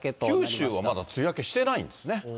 九州はまだ梅雨明けしてないんですね。